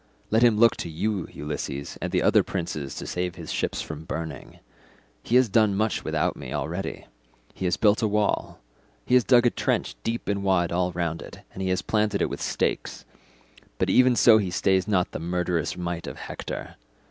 Let him look to you, Ulysses, and to the other princes to save his ships from burning. He has done much without me already. He has built a wall; he has dug a trench deep and wide all round it, and he has planted it within with stakes; but even so he stays not the murderous might of Hector.